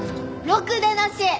ろくでなし！